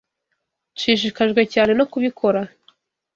Nshishikajwe cyane no kubikora.